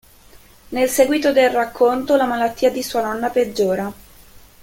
Nel seguito del racconto, la malattia di sua nonna peggiora.